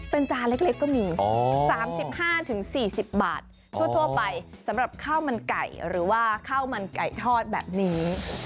เป็นจานเล็กก็มี๓๕๔๐บาททั่วไปสำหรับข้าวมันไก่หรือว่าข้าวมันไก่ทอดแบบนี้